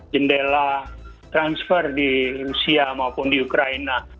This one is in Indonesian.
jendela transfer di rusia maupun di ukraina